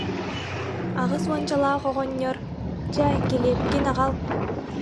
Аҕыс уончалаах оҕонньор: «Чэ, килиэпкин аҕал»